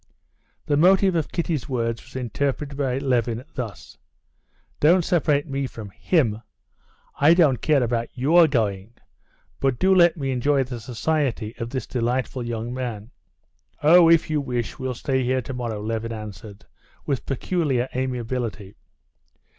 The motive of Kitty's words was interpreted by Levin thus: "Don't separate me from him. I don't care about your going, but do let me enjoy the society of this delightful young man." "Oh, if you wish, we'll stay here tomorrow," Levin answered, with peculiar amiability.